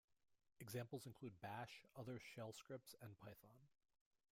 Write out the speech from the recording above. Examples include bash, other shell scripts and Python.